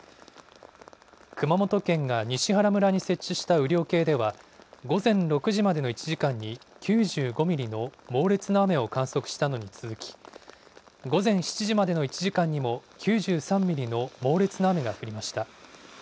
熊本県が西原村に設置した雨量計では、午前６時までの１時間に９５ミリの猛烈な雨を観測したのに続き、午前７時までの１時間にも、９３ミリの猛烈な雨が降りました。